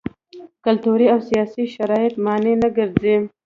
کلتوري او سیاسي شرایط مانع نه ګرځي.